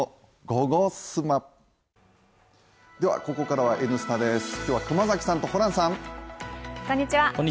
ここからは「Ｎスタ」です、今日は熊崎さんとホランさん。